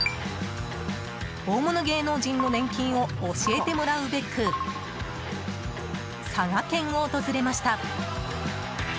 大物芸能人の年金を教えてもらうべく佐賀県を訪れました。